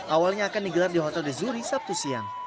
awalnya akan digelar di hotel dezuri sabtu siang